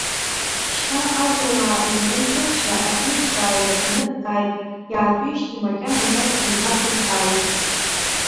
Шьҭа ажәауаара иара итәызшәа аҭынчра ааилаганы дҵааит иаатәеижьҭеи макьана ажәак зымҳәацыз Сааиҭ.